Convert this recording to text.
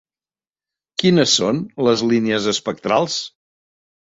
Quines són les línies espectrals?